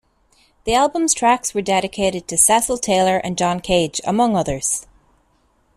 The album's tracks were dedicated to Cecil Taylor and John Cage, among others.